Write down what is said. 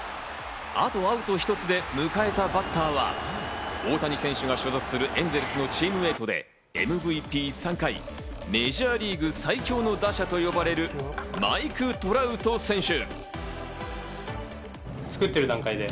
あとアウト１つで迎えたバッターは、大谷選手が所属するエンゼルスのチームメートでＭＶＰ３回、メジャーリーグ最強の打者と呼ばれるマイク・トラウト選手。